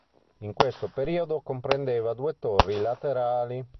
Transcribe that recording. In questo periodo comprendeva due torri laterali.